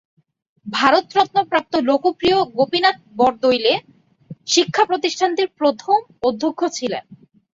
ভারত রত্ন প্রাপ্ত লোকপ্রিয় গোপীনাথ বরদলৈ শিক্ষা প্রতিষ্ঠানটির প্রথম অধ্যক্ষ ছিলেন।